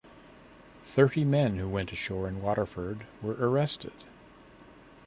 Thirty men who went ashore in Waterford were arrested.